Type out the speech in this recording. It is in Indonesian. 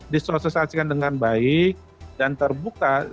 disosialisasikan dengan baik dan terbuka